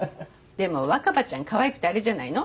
でも若葉ちゃんかわいくてあれじゃないの？